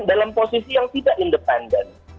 dalam posisi yang tidak independen